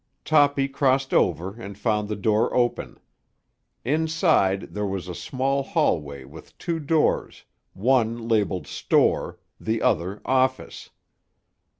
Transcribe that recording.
Toppy crossed over and found the door open. Inside there was a small hallway with two doors, one labelled "Store," the other "Office."